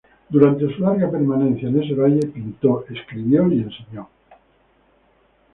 Durante su larga permanencia en ese valle, pintó, escribió y enseñó.